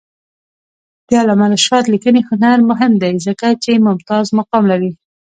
د علامه رشاد لیکنی هنر مهم دی ځکه چې ممتاز مقام لري.